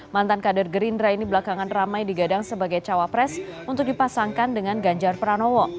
mantan kader gerindra ini belakangan ramai digadang sebagai cawapres untuk dipasangkan dengan ganjar pranowo